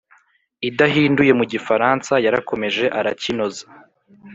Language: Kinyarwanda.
idahinduye mu gifaransa yarakomeje arakinoza